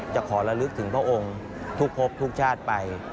ขอระลึกถึงพระองค์ทุกพบทุกชาติไป